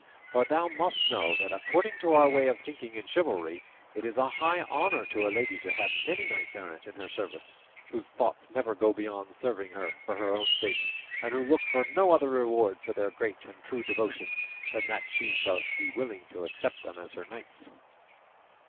For thou must know that according to our way of thinking in chivalry, it is a high honour to a lady to have many knights errant in her service, whose thoughts never go beyond serving her for her own sake, and who look for no other reward for their great and true devotion than that she should be willing to accept them as her knights."